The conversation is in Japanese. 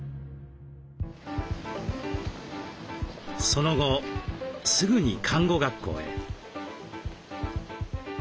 その後すぐに看護学校へ。